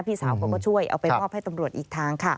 พี่สาวเขาก็ช่วยเอาไปมอบให้ตำรวจอีกทางค่ะ